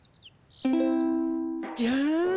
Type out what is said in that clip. じゃん。